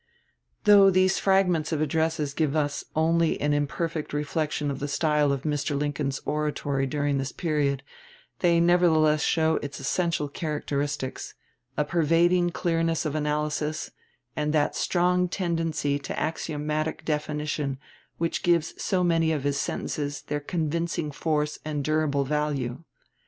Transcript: Though these fragments of addresses give us only an imperfect reflection of the style of Mr. Lincoln's oratory during this period, they nevertheless show its essential characteristics, a pervading clearness of analysis, and that strong tendency to axiomatic definition which gives so many of his sentences their convincing force and durable value.